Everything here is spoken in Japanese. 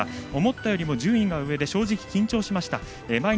思ったよりも順位が上で正直緊張しました。